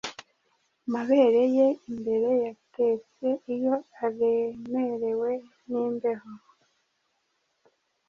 Amabere ye imbere yatetse iyo aremerewe nimbeho